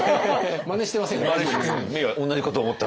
まねしてません。